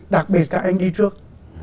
đặc biệt các anh đi trước